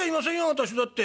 私だって。